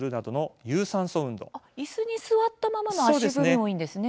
あっ椅子に座ったままの足踏みもいいんですね。